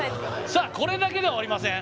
さあこれだけでは終わりません